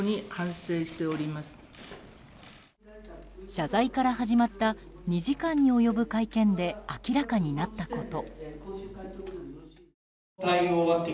謝罪から始まった２時間に及ぶ会見で明らかになったこと。